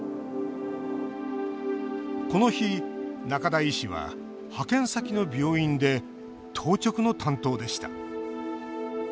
この日、仲田医師は派遣先の病院で当直の担当でした。